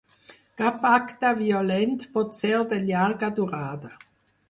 Cap acte violent pot ser de llarga durada.